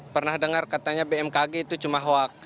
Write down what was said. pernah dengar katanya bmkg itu cuma hoax